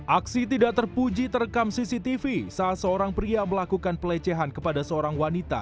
aksi tidak terpuji terekam cctv saat seorang pria melakukan pelecehan kepada seorang wanita